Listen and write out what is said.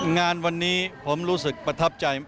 งานวันนี้ผมรู้สึกประทับใจ